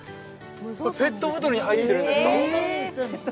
ペットボトルに入ってるんですか？